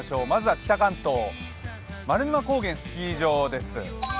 まずは北関東、丸沼高原スキー場です。